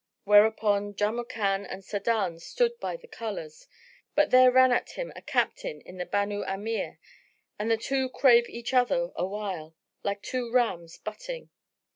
Whereupon Jamrkan and Sa'adan stood by the colours, but there ran at him a captain of the Banu Amir and the two drave each at other awhile, like two rams butting.